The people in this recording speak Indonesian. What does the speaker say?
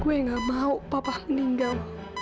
gue gak mau pak prabu meninggal